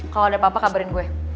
kalau ada apa apa kabarin gue